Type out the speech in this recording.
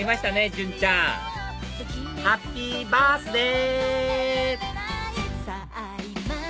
じゅんちゃんハッピーバースデー！